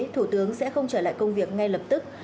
thủ tướng sẽ không trở lại công việc ngay lập tức